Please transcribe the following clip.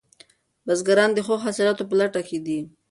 بزګران د ښو حاصلاتو په لټه کې دي.